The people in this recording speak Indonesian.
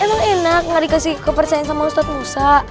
emang enak gak dikasih kepercayaan sama ustadz musa